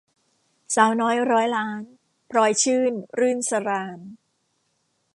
สาวน้อยร้อยล้าน - พลอยชื่น-รื่นสราญ